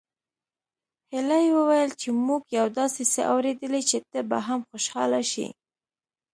هيلې وويل چې موږ يو داسې څه اورېدلي چې ته به هم خوشحاله شې